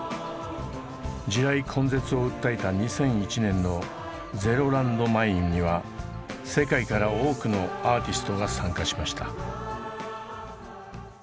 地雷根絶を訴えた２００１年の「ＺＥＲＯＬＡＮＤＭＩＮＥ」には世界から多くのアーティストが参加しました。